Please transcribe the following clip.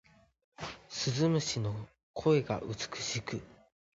鈴虫の音が美しく